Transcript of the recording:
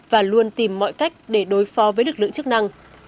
và luôn tìm mọi cách để đối phó với lực lượng chức năng